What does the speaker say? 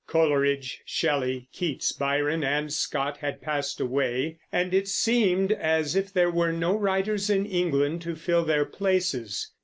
Coleridge, Shelley, Keats, Byron, and Scott had passed away, and it seemed as if there were no writers in England to fill their places.